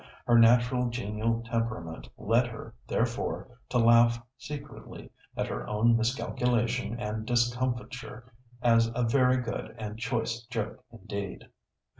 Her naturally genial temperament led her, therefore, to laugh secretly at her own miscalculation and discomfiture as a very good and choice joke indeed.